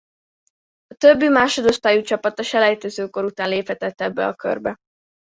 A többi másodosztályú csapat a selejtezőkör után léphetett ebbe a körbe.